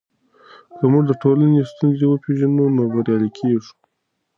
که موږ د ټولنې ستونزې وپېژنو نو بریالي کیږو.